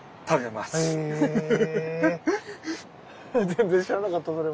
全然知らなかったそれも。